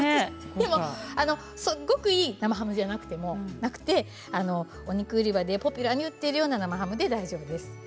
でもすごくいい生ハムじゃなくてもお肉売り場でポピュラーに売っているような生ハムで大丈夫です。